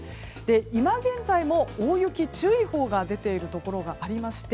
今、現在も大雪注意報が出ているところがありまして